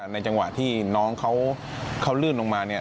ในจังหวะที่น้องเขารื่นลงมา